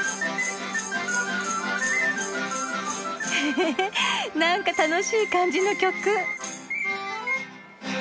へえなんか楽しい感じの曲。